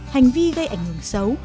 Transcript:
hành vi gây ảnh hưởng xấu